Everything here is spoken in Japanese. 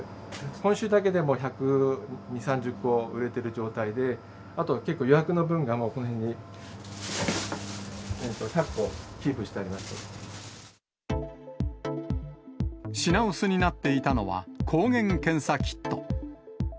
今週だけで１２０、３０個売れてる状態で、あとは結構、予約の分がこの辺に１００個品薄になっていたのは、抗原検査キット。